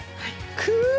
くっ！